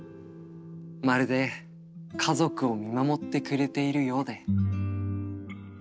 まるで家族を見守ってくれているようで。